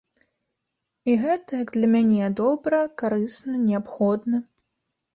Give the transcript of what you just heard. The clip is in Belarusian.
І гэта, як для мяне, добра, карысна, неабходна.